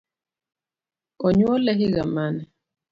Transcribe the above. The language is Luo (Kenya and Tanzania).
Onyuole higa mane?